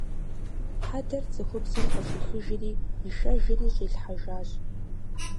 Хьэдэр цӀыхубзым къыщӀихыжри ишэжри щӀилъхьэжащ.